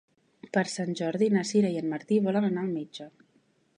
Per Sant Jordi na Sira i en Martí volen anar al metge.